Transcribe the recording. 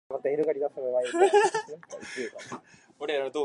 Though they all sold out immediately, these sets were produced in small quantities.